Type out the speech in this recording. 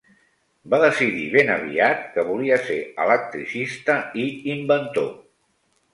Va decidir ben aviat que volia ser electricista i inventor.